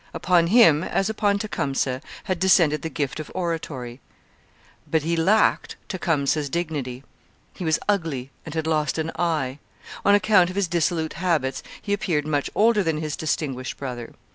Upon him, as upon Tecumseh, had descended the gift of oratory. But he lacked Tecumseh's dignity. He was ugly, and had lost an eye. On account of his dissolute habits he appeared much older than his distinguished brother.